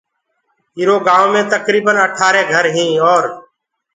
ايٚرو گآئونٚ مي تڪريٚبن اٺآرينٚ گھر هينٚٚ اور